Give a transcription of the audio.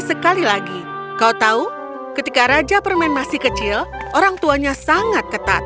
sekali lagi kau tahu ketika raja permen masih kecil orang tuanya sangat ketat